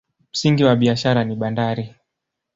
Msingi wa biashara ni bandari.